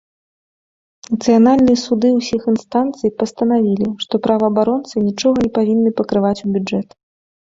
Нацыянальныя суды ўсіх інстанцый пастанавілі, што праваабаронцы нічога не павінны пакрываць ў бюджэт.